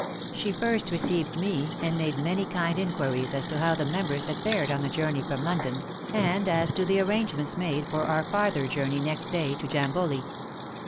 She first received me and made many kind inquiries as to how the members had fared on the journey from London, and as to the arrangements made for our farther journey next day to Jamboli.